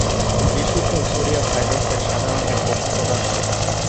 বিশুদ্ধ sodium hydroxide সাদা রঙের কঠিন পদার্থ।